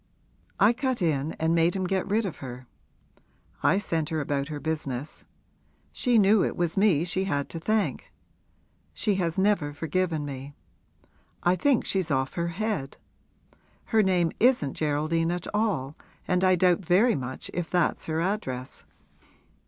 I cut in and made him get rid of her I sent her about her business. She knew it was me she had to thank. She has never forgiven me I think she's off her head. Her name isn't Geraldine at all and I doubt very much if that's her address.'